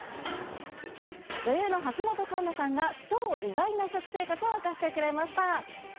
女優の橋本環奈さんが、超意外な食生活を明かしてくれました。